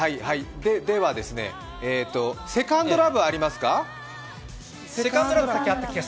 では「セカンド・ラブ」ありますか？